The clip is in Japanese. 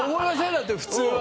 だって普通は。